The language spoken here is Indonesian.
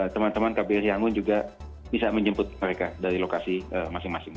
teman teman kbri angun juga bisa menjemput mereka dari lokasi masing masing